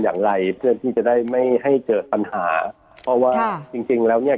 อย่างไรเพื่อที่จะได้ไม่ให้เกิดปัญหาเพราะว่าจริงจริงแล้วเนี้ย